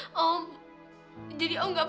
om jadi om gak percaya kau bukan candy yang ngakuin